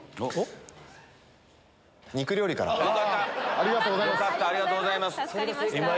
ありがとうございます。